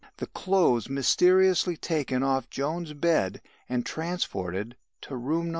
The clothes mysteriously taken off Joan's bed and transported to room No.